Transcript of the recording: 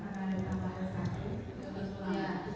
karena ada tambahan satu